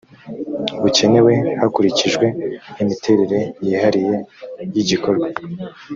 bukenewe hakurikijwe imiterere yihariye y igikorwa